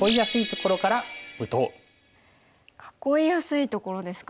囲いやすいところですか。